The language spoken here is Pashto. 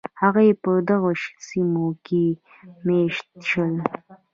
هغوی په دغو سیمو کې مېشت شول.